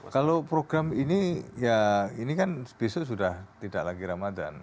kalau program ini ya ini kan besok sudah tidak lagi ramadhan